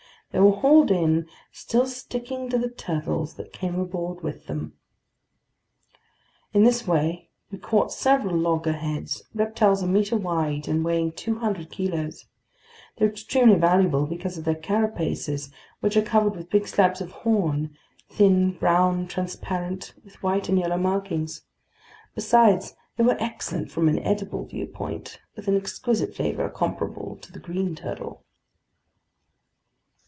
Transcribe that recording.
They were hauled in, still sticking to the turtles that came aboard with them. In this way we caught several loggerheads, reptiles a meter wide and weighing 200 kilos. They're extremely valuable because of their carapaces, which are covered with big slabs of horn, thin, brown, transparent, with white and yellow markings. Besides, they were excellent from an edible viewpoint, with an exquisite flavor comparable to the green turtle.